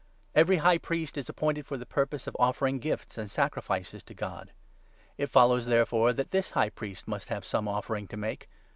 Every High Priest is appointed for the purpose of 3 offering gifts and sacrifices to God ; it follows, therefore, that this High Priest must have some offering to make.